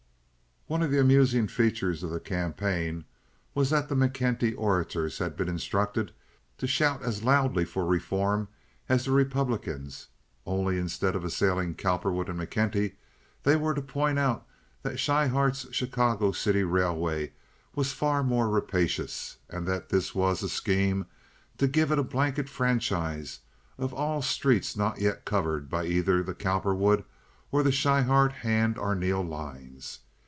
One of the amusing features of the campaign was that the McKenty orators had been instructed to shout as loudly for reforms as the Republicans, only instead of assailing Cowperwood and McKenty they were to point out that Schryhart's Chicago City Railway was far more rapacious, and that this was a scheme to give it a blanket franchise of all streets not yet covered by either the Cowperwood or the Schryhart Hand Arneel lines.